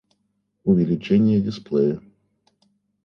Увеличение дисплея